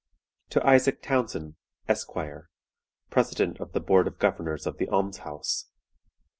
"To ISAAC TOWNSEND, Esq., "President of the Board of Governors of the Alms house.